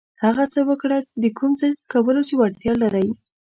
هغه څه وکړه د کوم څه کولو چې وړتیا لرئ.